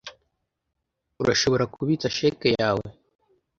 Urashobora kubitsa cheque yawe